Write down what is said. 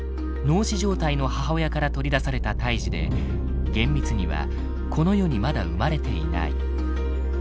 脳死状態の母親から取り出された胎児で厳密にはこの世にまだ生まれていない。